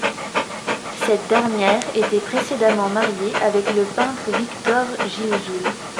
Cette dernière était précédemment mariée avec le peintre Victor Gilsoul.